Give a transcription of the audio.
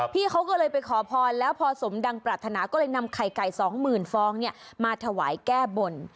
พี่เขาก็เลยไปขอพรแล้วพอสมดังปรารถนาก็เลยนำไข่ไก่๒๐๐๐ฟองมาถวายแก้บน